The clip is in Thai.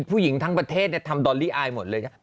ผู้หญิงทั้งประเทศที่ดาร์ลี่ไอมุดเลย